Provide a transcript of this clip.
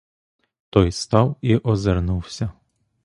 Той став і озирнувся.